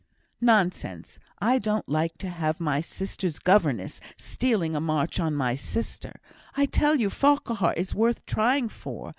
"Nonsense! I don't like to have my sisters' governess stealing a march on my sister. I tell you Farquhar is worth trying for.